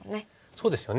そうですよね。